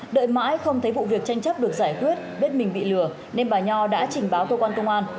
đợi mãi không thấy vụ việc tranh chấp được giải quyết biết mình bị lừa nên bà nho đã trình báo cơ quan công an